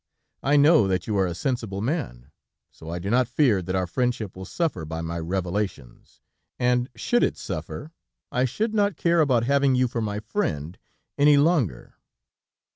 I know that you are a sensible man, so I do not fear that our friendship will suffer by my revelations, and should it suffer, I should not care about having you for my friend any longer.